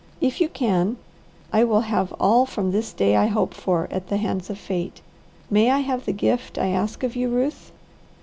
If you can, I will have all from this day I hope for at the hands of fate. May I have the gift I ask of you, Ruth?"